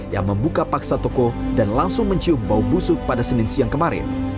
yang membuka paksa toko dan langsung mencium bau busuk pada senin siang kemarin